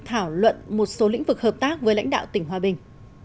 thảo luận một số lĩnh vực hợp tác với lãnh đạo tỉnh hòa bình